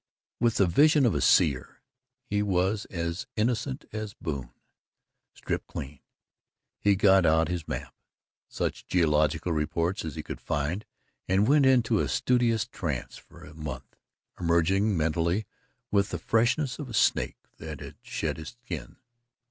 With the vision of a seer, he was as innocent as Boone. Stripped clean, he got out his map, such geological reports as he could find and went into a studious trance for a month, emerging mentally with the freshness of a snake that has shed its skin.